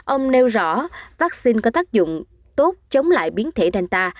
ông nêu rõ vắc xin có tác dụng tốt chống lại biến thể delta